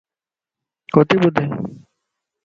ڪوتي ٻڌين؟